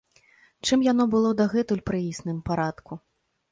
Чым яно было дагэтуль пры існым парадку?